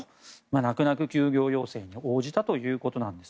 泣く泣く休業要請に応じたということです。